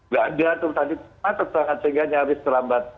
jadi tadi macet sehingga nyaris terlambat